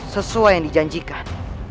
sesuai yang dijanjikan